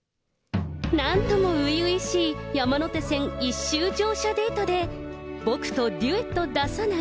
なんともういういしい山手線１周乗車デートで、僕とデュエット出さない？